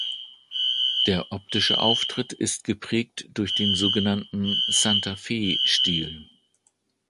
Der optische Auftritt ist geprägt durch den so genannten „Santa-Fe-Stil“.